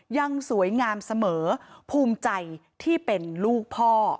ยังสวยงามเสมอภูมิใจที่เป็นลูกพ่อ